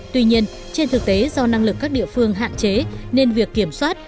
tuy nhiên trên thực tế do năng lực các địa phương hạn chế nên việc kiểm soát